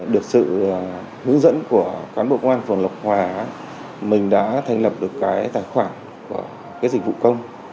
được sự hướng dẫn của cán bộ công an phường lộc hòa mình đã thành lập được cái tài khoản của cái dịch vụ công